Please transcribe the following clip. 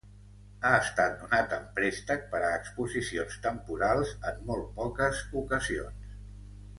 Ha estat donat en préstec per a exposicions temporals en molt poques ocasions.